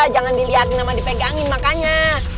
jangan dilihatin nama dipegangin makanya